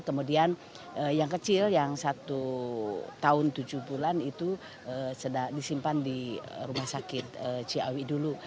kemudian yang kecil yang satu tahun tujuh bulan itu sedang disimpan di rumah sakit ciawi dulu